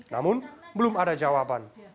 namun belum ada jawaban